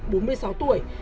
đối với đảo thị mộng thường